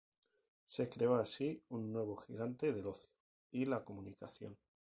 Se creó así un nuevo gigante del ocio y la comunicación.